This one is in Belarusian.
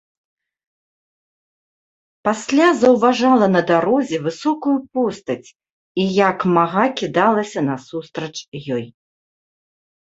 Пасля заўважала на дарозе высокую постаць і як мага кідалася насустрач ёй.